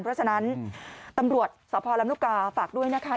เพราะฉะนั้นตำรวจสพลำลูกกาฝากด้วยนะคะ